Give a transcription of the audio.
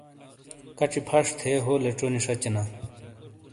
کچی پَھش تھے ہو لیچونی شاچینا۔